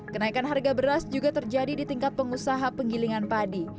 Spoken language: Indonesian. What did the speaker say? kenaikan harga beras juga terjadi di tingkat pengusaha penggilingan padi